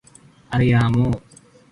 അറിയാമോ